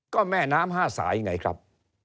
ก็แม่น้ำ๕สายไงครับ